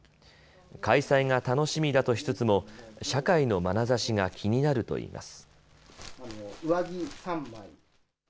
開催が楽しみだとしつつも社会のまなざしが気になるといいます。